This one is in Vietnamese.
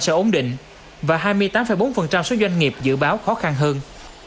sẽ ổn định và hai mươi tám bốn số doanh nghiệp dự báo khó khăn hơn